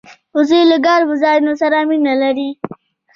وزې له ګرمو ځایونو سره مینه لري